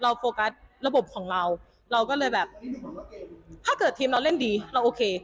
โฟกัสระบบของเราเราก็เลยแบบถ้าเกิดทีมเราเล่นดีเราโอเค